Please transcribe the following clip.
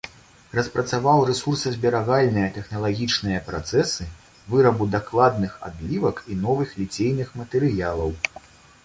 Распрацаваў рэсурсазберагальныя тэхналагічныя працэсы вырабу дакладных адлівак і новых ліцейных матэрыялаў.